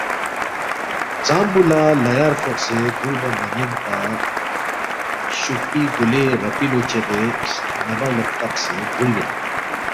ژامپو لا لایار فوقسے دُرلبا مہ نین پا شوکپی گولوے راپیلو چدے سنہ بر لا تقسے دُرلبن۔